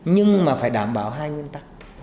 nhưng mà phải đảm bảo hai nguyên tắc